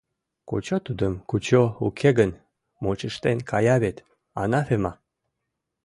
Кучо тудым, кучо, уке гын, мучыштен кая вет, анафема!